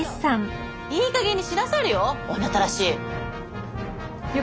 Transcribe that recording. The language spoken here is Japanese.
いいかげんにしなされよ女ったらし。